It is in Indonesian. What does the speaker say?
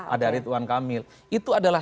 ada ridwan kamil itu adalah